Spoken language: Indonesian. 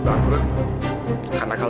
saya akan mencari perut